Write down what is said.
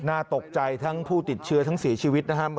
น่าตกใจทั้งผู้ติดเชื้อทั้งเสียชีวิตนะครับ